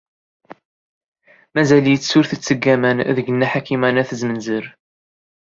Mazal-itt ur tetteg laman deg Nna Ḥakima n At Zmenzer.